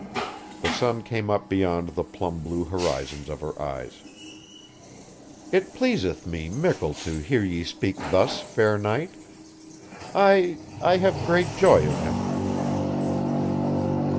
The sun came up beyond the plum blue horizons of her eyes. "It pleaseth me mickle to hear ye speak thus, fair knight. I ... I have great joy of him."